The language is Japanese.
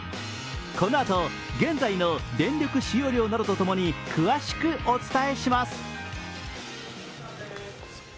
このあと現在の電力使用量などとともに詳しくお伝えします。